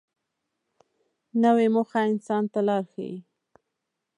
نوې موخه انسان ته لار ښیي